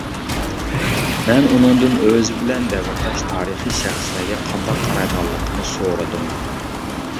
مەن ئۇنىڭدىن ئۆزى بىلەن دەۋرداش تارىخىي شەخسلەرگە قانداق قارايدىغانلىقىنى سورىدىم.